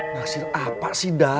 ngasir apa sih da